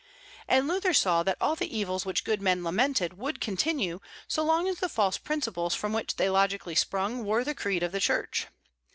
And Luther saw that all the evils which good men lamented would continue so long as the false principles from which they logically sprung were the creed of the Church.